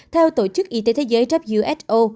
theo tổ chức y tế thế giới who